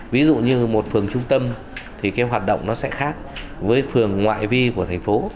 ví dụ như một phường trung tâm thì cái hoạt động nó sẽ khác với phường ngoại vi của thành phố